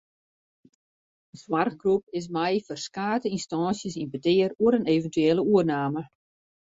De soarchgroep is mei ferskate ynstânsjes yn petear oer in eventuele oername.